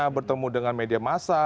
bertemu dengan media massa